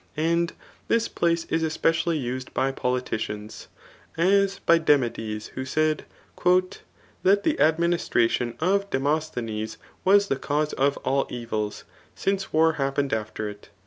And this place is especially used by politicians, as by Demades^ who said, '^That the administration of Demosthenes was the cause of all evils ; since ^r happened after it.